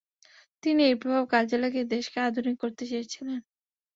তিনি এই প্রভাব কাজে লাগিয়ে দেশকে আধুনিক করতে চেয়েছিলেন।